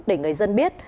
để người dân biết